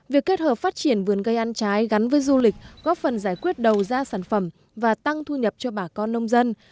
việc kết hợp phát triển vườn cây ăn trái gắn với du lịch góp phần giải quyết đầu ra sản phẩm và tăng thu nhập cho bà con nông dân